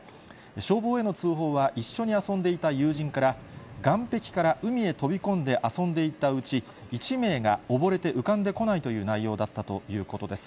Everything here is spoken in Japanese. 消防への通報は、一緒に遊んでいた友人から、岸壁から海へ飛び込んで遊んでいたうち、１名が溺れて浮かんでこないという内容だったということです。